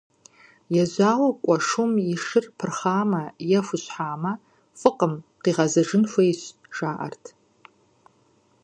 Ежьауэ кӀуэ шум и шыр пырхъамэ е хущхьамэ, фӀыкъым, къигъэзэжын хуейщ, жаӀэрт.